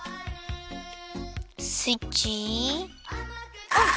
スイッチオン！